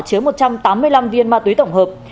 chứa một trăm tám mươi năm viên ma túy tổng hợp